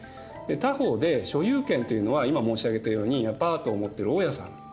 他方で所有権というのは今申し上げたようにアパートを持ってる大家さん。